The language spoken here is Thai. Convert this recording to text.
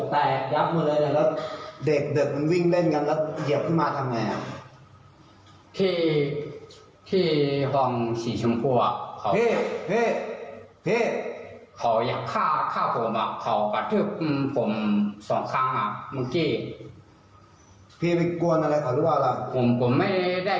แล้วเนี่ยพี่เฟี่ยงขวดแตกรับหมดเลยแล้วเด็กมันวิ่งเล่นกันแล้วเหยียบขึ้นมาทำไง